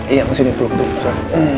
iya kesini peluk dulu